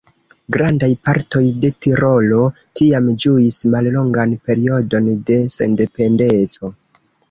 Grandaj partoj de Tirolo tiam ĝuis mallongan periodon de sendependeco.